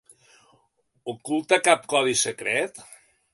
Oculta cap codi secret?